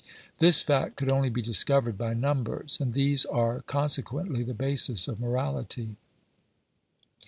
This fact could only be discovered by numbers, and these are con sequently the basis of morality.